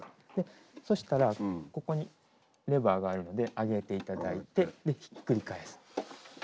そしたらここにレバーがあるので上げて頂いてでひっくり返す。